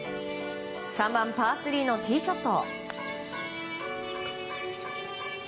３番、パー３のティーショット。